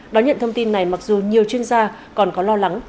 đón nhận thông tin này mặc dù nhiều chuyên gia còn có lo lắng